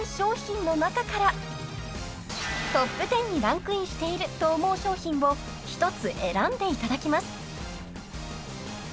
［トップ１０にランクインしていると思う商品を１つ選んでいただきます］